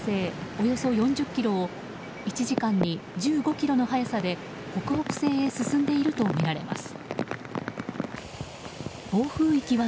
およそ４０ｋｍを１時間に１５キロの速さで北北西へ進んでいるとみられます。